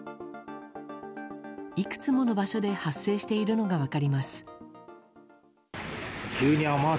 いくつもの場所で発生しているのが分かります。